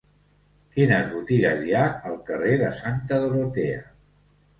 Quines botigues hi ha al carrer de Santa Dorotea?